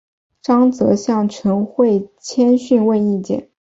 张则向陈惠谦询问意见。